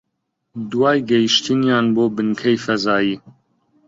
دوای گەیشتنیان بۆ بنکەی فەزایی